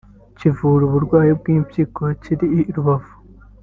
kivura uburwayi bw’impyiko kiri i Rubavu